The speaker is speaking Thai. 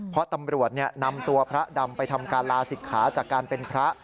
เพราะตำรวจนำตัวพระดำไปทำการลาศิกขาจากการเป็นพระ